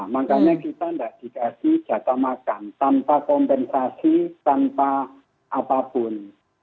makanya kita tidak dikasih jatah makan tanpa kompensasi tanpa apapun